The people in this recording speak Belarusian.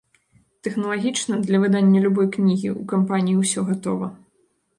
Тэхналагічна для выдання любой кнігі ў кампаніі ўсё гатова.